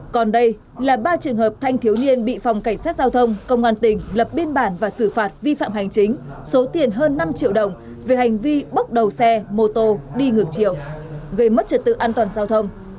còn đây là ba trường hợp thanh thiếu niên bị phòng cảnh sát giao thông công an tỉnh lập biên bản và xử phạt vi phạm hành chính số tiền hơn năm triệu đồng về hành vi bốc đầu xe mô tô đi ngược chiều gây mất trật tự an toàn giao thông